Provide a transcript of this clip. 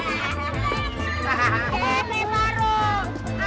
udah buwin masuk